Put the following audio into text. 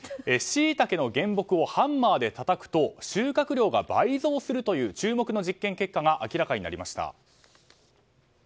シイタケの原木をハンマーでたたくと収穫量が倍増するという注目の実験結果が明らかになりました。